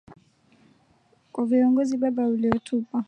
kwa viongozi Baba uliotupa.